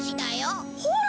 ほら！